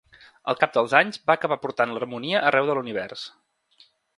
Al cap dels anys va acabar portant l'harmonia arreu de l'univers.